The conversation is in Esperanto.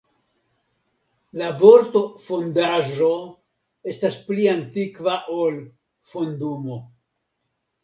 La vorto "fondaĵo" estas pli antikva ol "fondumo".